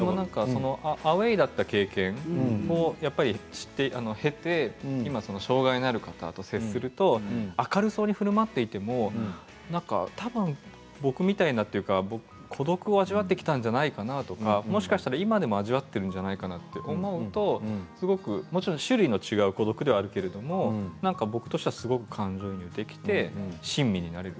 アウェーだった経験を経て障害のある方と接すると明るそうにふるまっていてもたぶん僕みたいなというか孤独を味わってきたんじゃないかなとかもしかしたら今でも味わっているんじゃないかなと思うともちろん種類の違う孤独ではあるけれど僕としてはすごく感情移入ができて親身になれる。